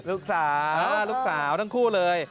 ลูกสาวลูกสาวทั้งคู่เลย